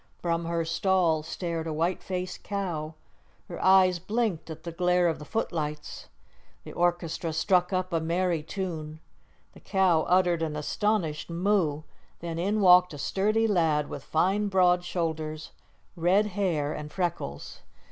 From her stall stared a white faced cow; her eyes blinked at the glare of the footlights. The orchestra struck up a merry tune; the cow uttered an astonished moo; then in walked a sturdy lad with fine, broad shoulders, red hair, and freckles.